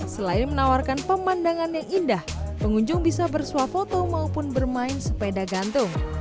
selain menawarkan pemandangan yang indah pengunjung bisa bersuah foto maupun bermain sepeda gantung